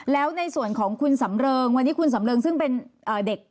แล้วในส่วนของคุณสำเริงวันนี้คุณสำเริงซึ่งเป็นเด็ก